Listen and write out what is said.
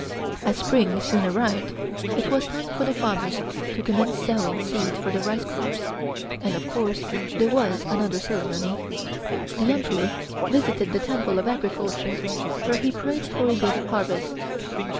As Spring soon arrived it was time for the farmers to commence sowing seed for the rice crop, and of course there was another ceremony. The Emperor visited the Temple of Agriculture where he prayed for a good harvest.